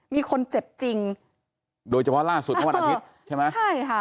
มีคนเจ็บจริงโดยเฉพาะล่าสุดเมื่อวันอาทิตย์ใช่ไหมใช่ค่ะ